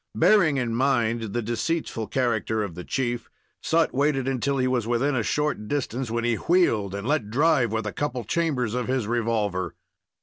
Bearing in mind the deceitful character of the chief, Sut waited until he was within a short distance, when he wheeled and let drive with a couple chambers of his revolver.